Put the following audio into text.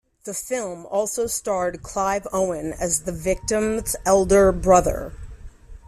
The film also starred Clive Owen as the victim's elder brother.